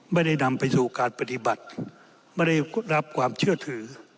ไม่ได้นำไปสู่การปฏิบัติไม่ได้รับความเชื่อถือ